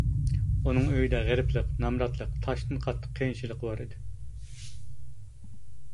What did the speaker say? ئۇنىڭ ئۆيىدە غېرىبلىق، نامراتلىق، تاشتىن قاتتىق قىيىنچىلىق بار ئىدى.